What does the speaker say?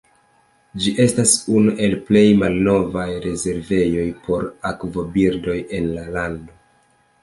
Ĝi estas unu el plej malnovaj rezervejoj por akvobirdoj en la lando.